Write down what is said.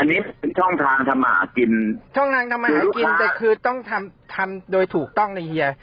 อันนี้เป็นช่องทางทำมาหากินช่องทางทำมาหากินแต่คือต้องทำทำโดยถูกต้องในเฮีย